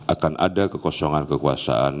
akan ada kekosongan kekuasaan